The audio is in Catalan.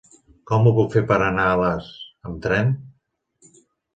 Com ho puc fer per anar a Les amb tren?